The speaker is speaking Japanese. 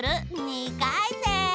２かいせん！